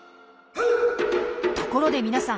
ところでみなさん